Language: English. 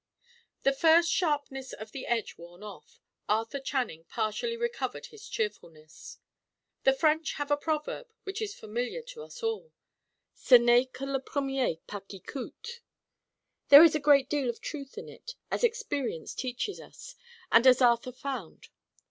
The first sharpness of the edge worn off, Arthur Channing partially recovered his cheerfulness. The French have a proverb, which is familiar to us all: "Ce n'est que le premier pas qui coute." There is a great deal of truth in it, as experience teaches us, and as Arthur found.